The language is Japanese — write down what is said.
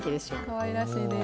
かわいらしいです。